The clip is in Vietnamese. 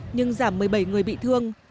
nhưng giảm một mươi bảy người bị thương